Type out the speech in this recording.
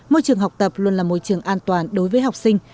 môi trường học tập luôn là môi trường an toàn đối với học sinh